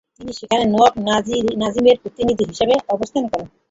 তিনি সেখানে নওয়াব নাযিমের প্রতিনিধি হিসেবে অবস্থান করেন।